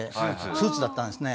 スーツだったんですね。